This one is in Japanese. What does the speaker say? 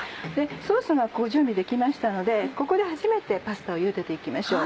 ソースが準備できましたのでここで初めてパスタをゆでて行きましょう。